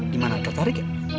gimana tertarik ya